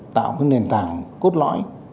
tạo nền tảng cốt lõi